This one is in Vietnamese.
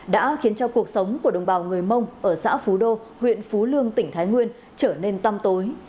đã khiến cho cuộc sống của đồng bào người mông ở xã phú đô huyện phú lương tỉnh thái nguyên trở nên tăm tối